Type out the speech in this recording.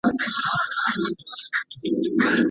که تمرین پرېښودل سي نو مهارت له منځه ځي.